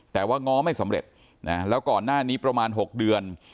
แต่ว่าง้อไม่สำเร็จนะแล้วก่อนหน้านี้ประมาณ๖เดือน